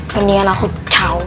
mendingan aku caw